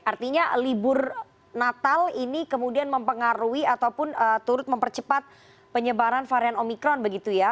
artinya libur natal ini kemudian mempengaruhi ataupun turut mempercepat penyebaran varian omikron begitu ya